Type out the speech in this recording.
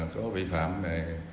có vĩ phạm này